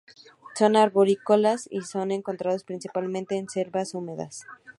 Son arborícolas, y son encontrados principalmente en selvas húmedas.